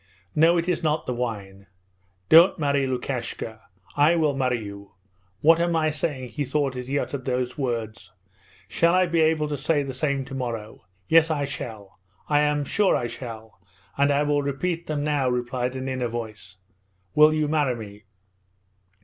'No, it is not the wine. Don't marry Lukashka. I will marry you.' ('What am I saying,' he thought as he uttered these words. 'Shall I be able to say the same to morrow?' 'Yes, I shall, I am sure I shall, and I will repeat them now,' replied an inner voice.) 'Will you marry me?'